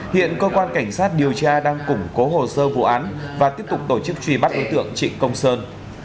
hiện cơ quan cảnh sát điều tra đang củng cố hồ sơ vụ án và tiếp tục tổ chức truy bắt đối tượng trịnh công sơn